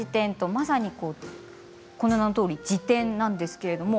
まさに名のとおり辞典なんですけれども。